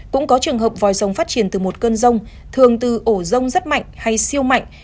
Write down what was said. cũng có trường hợp vòi rồng phát triển từ một cơn rông thường từ ổ rông rất mạnh hay siêu mạnh